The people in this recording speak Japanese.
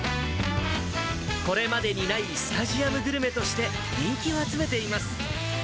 これまでにないスタジアムグルメとして人気を集めています。